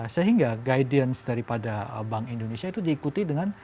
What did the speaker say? sehingga guidance daripada bank indonesia itu diikuti dengan